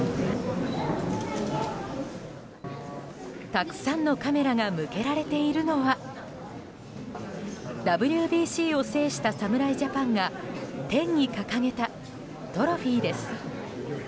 たくさんのカメラが向けられているのはＷＢＣを制した侍ジャパンが天に掲げたトロフィーです。